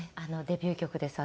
デビュー曲です